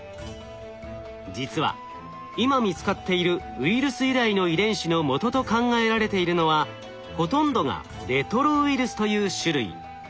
実は今見つかっているウイルス由来の遺伝子のもとと考えられているのはほとんどがレトロウイルスという種類。